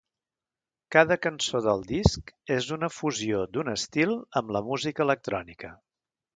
Cada cançó del disc és una fusió d'un estil amb la música electrònica.